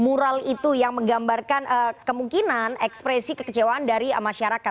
mural itu yang menggambarkan kemungkinan ekspresi kekecewaan dari masyarakat